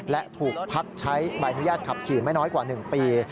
และถูกพักใช้ใบอนุญาตขับขี่ไม่น้อยกว่า๑ปี